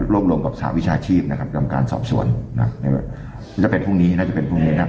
ร่วมรวมกับสหวิชาชีพนะครับกรรมการสอบส่วนนะครับน่าจะเป็นพรุ่งนี้น่าจะเป็นพรุ่งนี้นะครับ